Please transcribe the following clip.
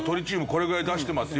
これぐらい出してます